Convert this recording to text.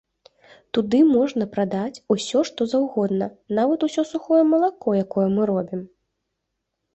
Туды можна прадаць усё што заўгодна, нават усё сухое малако, якое мы робім.